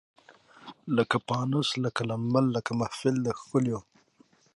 لکه پانوس لکه لمبه لکه محفل د ښکلیو